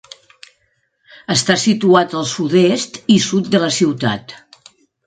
Està situat al sud-est i sud de la ciutat.